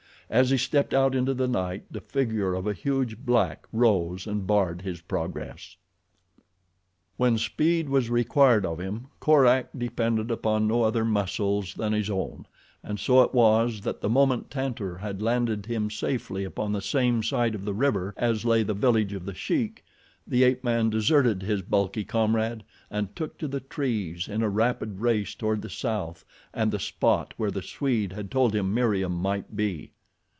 As he stepped out into the night the figure of a huge black rose and barred his progress. When speed was required of him Korak depended upon no other muscles than his own, and so it was that the moment Tantor had landed him safely upon the same side of the river as lay the village of The Sheik, the ape man deserted his bulky comrade and took to the trees in a rapid race toward the south and the spot where the Swede had told him Meriem might be.